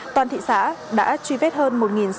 toàn thị xã đã truy vết hơn